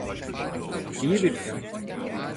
İyi birisin.